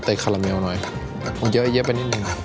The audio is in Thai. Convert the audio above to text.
เกลือเท่านั้นแหละครับเกือบลืมอย่างหนึ่งครับ